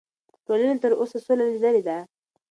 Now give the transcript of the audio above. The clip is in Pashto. ټولنې تر اوسه سوله لیدلې ده.